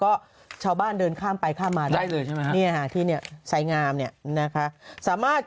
แล้วก็ชาวบ้านเดินข้ามไปข้ามมาได้ที่นี่ใส่งาม